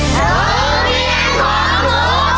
โรงเรียนของหนู